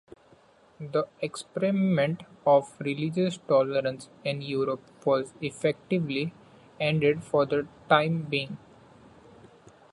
The experiment of religious tolerance in Europe was effectively ended for the time being.